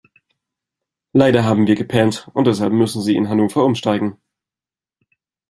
Leider haben wir gepennt und deshalb müssen Sie in Hannover umsteigen.